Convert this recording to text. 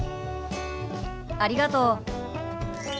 ありがとう。